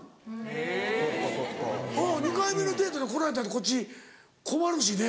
・えっ・２回目のデートで来られたってこっち困るしね。